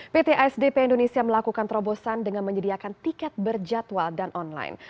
pt asdp indonesia melakukan terobosan dengan menyediakan tiket berjadwal dan online